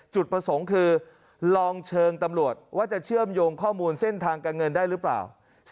จุดประสงค์คือลองเชิงตำรวจว่าจะเชื่อมโยงข้อมูลเส้นทางการเงินได้หรือเปล่า